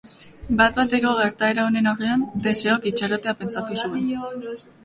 Bat-bateko gertaera honen aurrean, Teseok itxarotea pentsatu zuen.